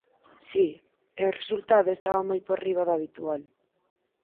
Si, e o resultado estaba moi por riba do habitual.